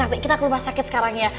sakti kita kelupas sakit sekarang ya